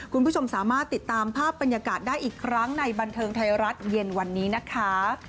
คุณผู้ชมสามารถติดตามภาพบรรยากาศได้อีกครั้งในบันเทิงไทยรัฐเย็นวันนี้นะคะ